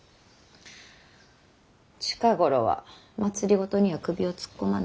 近頃は政には首を突っ込まないの。